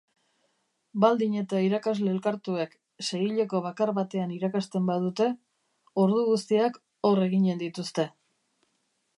Baldin eta irakasle elkartuek seihileko bakar batean irakasten badute, ordu guztiak hor eginen dituzte.